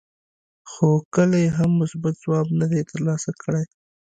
خو کله یې هم مثبت ځواب نه دی ترلاسه کړی.